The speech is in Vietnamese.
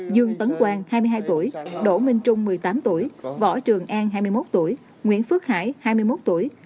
dương tấn quang hai mươi hai tuổi đỗ minh trung một mươi tám tuổi võ trường an hai mươi một tuổi nguyễn phước hải hai mươi một tuổi